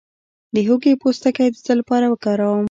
د هوږې پوستکی د څه لپاره وکاروم؟